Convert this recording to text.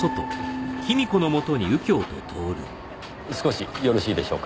少しよろしいでしょうか？